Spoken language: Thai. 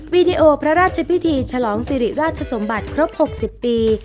วีดีโอพระราชพิธีฉลองสิริราชสมบัติครบ๖๐ปี